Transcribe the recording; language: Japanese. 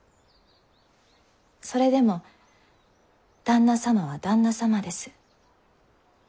それでも旦那様は旦那様です。